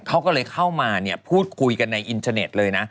เขาก็เลยเข้ามาพูดคุยกันในอินเทอร์เน็ตเลยนะ